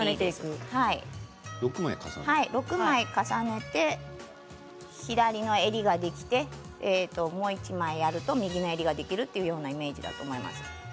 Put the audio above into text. ６枚重ねて左の襟ができてもう１枚やると右の襟ができるというイメージだと思います。